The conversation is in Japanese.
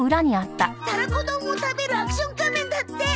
「たらこ丼を食べるアクション仮面」だって。